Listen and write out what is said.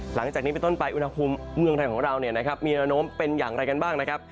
หลังจากนี้เป็นต้นไปอุณหภูมิเมืองไทยของเรามีระโน้มเป็นอย่างไรกันบ้างนะครับ